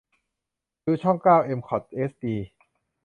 ดูช่องเก้าเอ็มคอตเอชดี